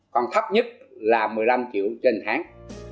còn thấp nhất là một mươi năm triệu trên tháng